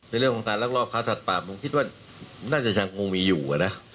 ในเรื่องของการลักลอบค้าสัตว์ป่าผมคิดว่าน่าจะยังคงมีอยู่นะ